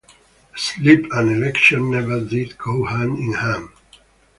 Sleep and election never did go hand in hand.